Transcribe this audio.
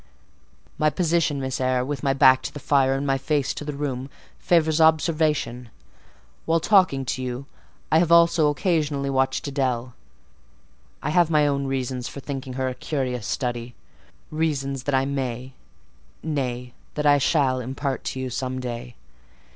My position, Miss Eyre, with my back to the fire, and my face to the room, favours observation. While talking to you, I have also occasionally watched Adèle (I have my own reasons for thinking her a curious study,—reasons that I may, nay, that I shall, impart to you some day).